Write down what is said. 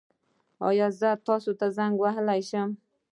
ایا زه تاسو ته زنګ وهلی شم؟